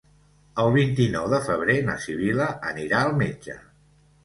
El vint-i-nou de febrer na Sibil·la anirà al metge.